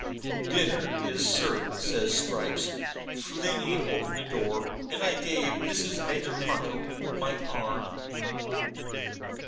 'Dinner is served,' says Stripes, flinging open the door; and I gave Mrs. Major Ponto my arm.